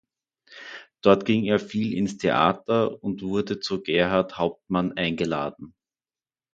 Dort ging er viel ins Theater und wurde zu Gerhart Hauptmann eingeladen.